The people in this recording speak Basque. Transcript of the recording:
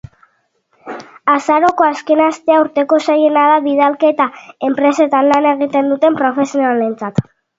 Azaroko azken astea urteko zailena da bidalketa enpresetan lan egiten duten profesionalentzat.